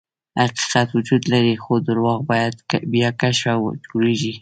حقیقت وجود لري، خو درواغ بیا کشف او جوړیږي.